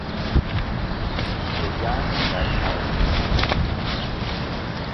O ayag' nengan ayi ma